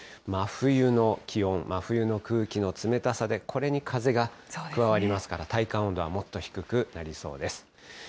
真冬の気温、真冬の空気の冷たさで、これに風が加わりますから、体感温度はもっと低くなりそうです。